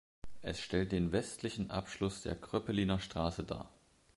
Es stellt den westlichen Abschluss der Kröpeliner Straße dar.